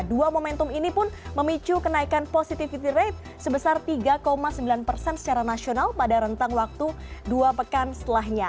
dua momentum ini pun memicu kenaikan positivity rate sebesar tiga sembilan persen secara nasional pada rentang waktu dua pekan setelahnya